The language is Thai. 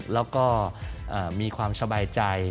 แล้วก็มีความสบายใจ